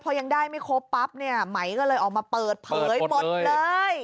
พอยังได้ไม่ครบปั๊บเนี่ยไหมก็เลยออกมาเปิดเผยหมดเลย